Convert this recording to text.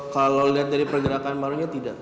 kalau dilihat dari pergerakan marunya tidak